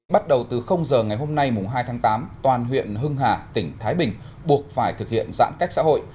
bắt đầu từ giờ ngày hôm nay hai tháng tám toàn huyện hưng hà tỉnh thái bình buộc phải thực hiện giãn cách xã hội